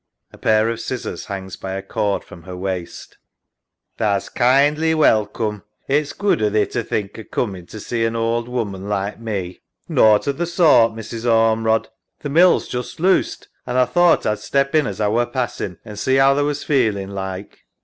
A pair of scissors hangs by a cord from her waist. SARAH. Tha's kindly welcoom. It's good o' thee to think o' coomin' to see an ould woman like me. EMMA {by door). Nought o' th' sort, Mrs. Ormerod. Th' mill's just loosed and A thowt A'd step in as A were passin' and see 'ow tha was feeling like.